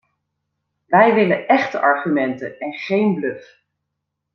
Wij willen echte argumenten, en geen bluf.